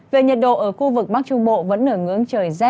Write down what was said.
về nhiệt độ ở khu vực bắc trung bộ vẫn ở ngưỡng trời rét